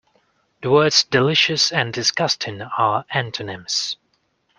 The words delicious and disgusting are antonyms.